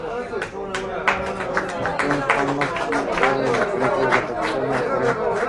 Kim Hyon-son entrena a la pareja en la capital norcoreana.